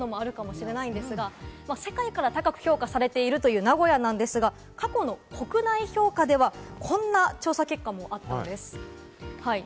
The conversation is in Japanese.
世界から高く評価されているという名古屋ですが、過去の国内評価ではこんな調査結果もあったんです。